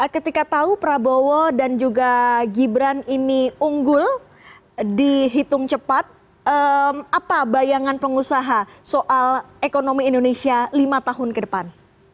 ketika tahu prabowo dan juga gibran ini unggul dihitung cepat apa bayangan pengusaha soal ekonomi indonesia lima tahun ke depan